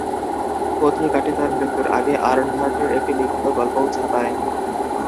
পত্রিকাটি তার মৃত্যুর আগে আর্নহার্টের একটি বিখ্যাত গল্পও ছাপায়।